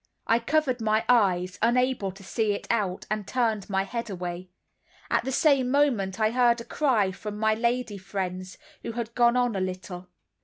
I covered my eyes, unable to see it out, and turned my head away; at the same moment I heard a cry from my lady friends, who had gone on a little.